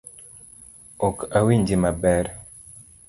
Ok awinji maber.